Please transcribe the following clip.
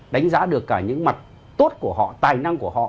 đánh giá được cả những mặt tốt của họ tài năng của họ